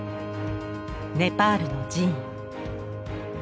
ネパールの寺院。